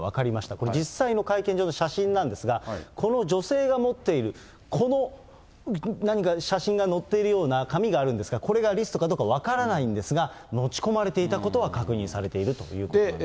これ実際の会見場の写真なんですが、この女性が持っている、この、何か写真が載っているような紙があるんですが、これがリストかどうか分からないんですが、持ち込まれていたことが確認されているということなんです。